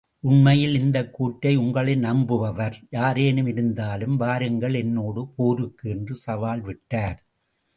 உண்மையில் இக்கூற்றை உங்களில் நம்புபவர் யாரேனும் இருந்தாலும் வாருங்கள் என்னோடு போருக்கு! என்று சவால் விட்டார்.